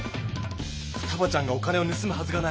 ふたばちゃんがお金をぬすむはずがない。